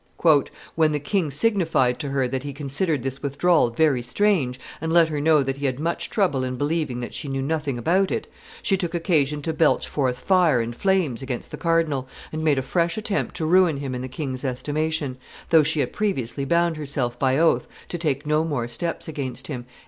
"When the king signified to her that he considered this withdrawal very strange, and let her know that he had much trouble in believing that she knew nothing about it, she took occasion to belch forth fire and flames against the cardinal, and made a fresh attempt to ruin him in the king's estimation, though she had previously bound herself by oath to take no more steps against him."